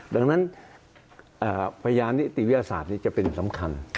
ดังนั้นพยานนิติวิทยาศาสตร์นี้จะเป็นสำคัญ